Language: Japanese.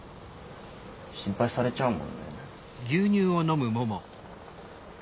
心配されちゃうもんね。